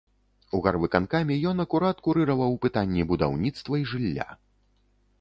У гарвыканкаме ён акурат курыраваў пытанні будаўніцтва і жылля.